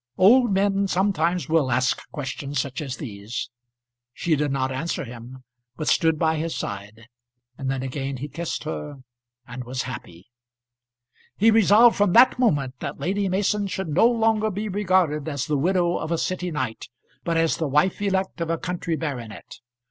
Old men sometimes will ask questions such as these. She did not answer him, but stood by his side; and, then again he kissed her, and was happy. He resolved from that moment that Lady Mason should no longer be regarded as the widow of a city knight, but as the wife elect of a country baronet.